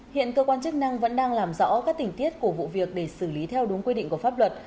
hiện cơ quan chức năng vẫn đang làm rõ các tình tiết của vụ việc để xử lý theo đúng quy định của pháp luật